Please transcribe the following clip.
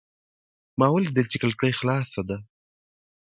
ما ولیدل چې کړکۍ خلاصه شوې ده.